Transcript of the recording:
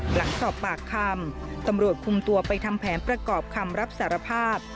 หลังสอบปากคำตำรวจคุมตัวไปทำแผนประกอบคำรับสารภาพ